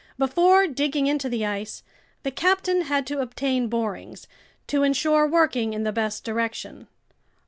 Before digging into the ice, the captain had to obtain borings, to insure working in the best direction.